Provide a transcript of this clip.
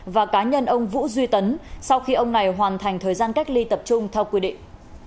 và cá nhân ông vũ duy tấn sau khi ông này hoàn thành thời gian cách ly tập trung theo quy định